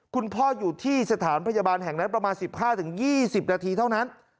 คุณพ่ออยู่ที่สถานพยาบาลแห่งนั้นประมาณ๑๕๒๐นาทีเท่านั้น